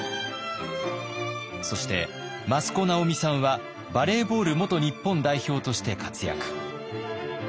そして益子直美さんはバレーボール元日本代表として活躍。